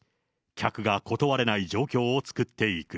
客が断れない状況を作っていく。